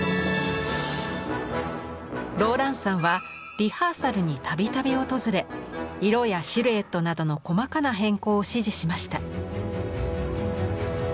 ローランサンはリハーサルに度々訪れ色やシルエットなどの細かな変更を指示しました。